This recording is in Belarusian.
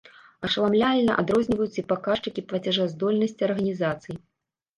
Ашаламляльна адрозніваюцца і паказчыкі плацежаздольнасці арганізацый.